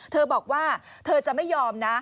เธอบอกว่าเธอจะไม่ยอมนะ